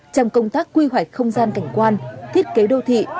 trong công tác quy hoạch không gian cảnh quan thiết kế đô thị